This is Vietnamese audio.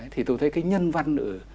thì tôi thấy cái nhân văn